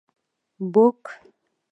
book